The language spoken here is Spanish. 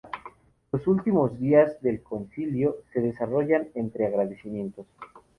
Los últimos días del concilio se desarrollaron entre agradecimientos.